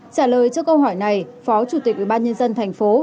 trả lời cho câu hỏi này phó chủ tịch ubnd thành phố